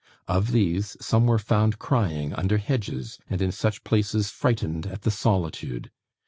Of these, some were found crying under hedges and in such places, frightened at the solitude.